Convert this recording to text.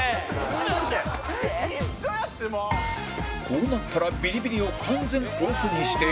こうなったらビリビリを完全オフにして